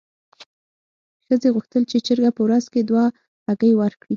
ښځې غوښتل چې چرګه په ورځ کې دوه هګۍ ورکړي.